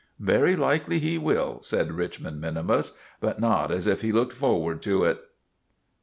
"Very likely he will," said Richmond minimus; but not as if he looked forward to it.